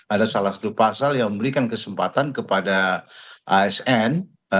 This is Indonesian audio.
ada salah satu pasal yang memberikan kesempatan kepada asn